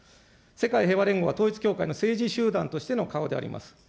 世界平和連合は統一教会の政治集団としての顔であります。